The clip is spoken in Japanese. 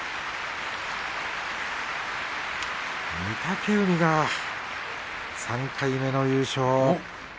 御嶽海が３回目の優勝。